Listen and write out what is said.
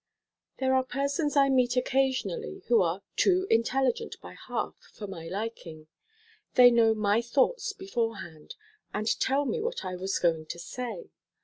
There are persons I meet occasionally who are too intelligent by half for my liking. They know my thoughts beforehand, and tell me what I was going to say.